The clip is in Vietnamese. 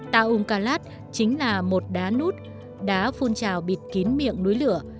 taung kalat chính là một đá nút đá phun trào bịt kín miệng núi lửa